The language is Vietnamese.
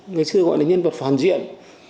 người xưa gọi là nhân vật phản diện